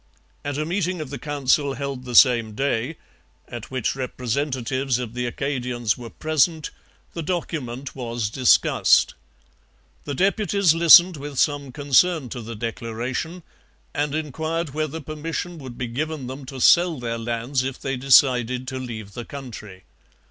At a meeting of the Council held the same day, at which representatives of the Acadians were present, the document was discussed. The deputies listened with some concern to the declaration, and inquired whether permission would be given them to sell their lands if they decided to leave the country.